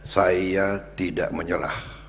saya tidak menyerah